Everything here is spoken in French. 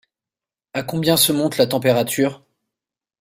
À combien se monte la température ?